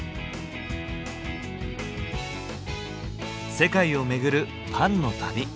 世界を巡るパンの旅。